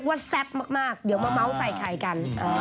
ว่าวัสแซบมากเดี๋ยวมาเมาส์ใส่ไข่กัน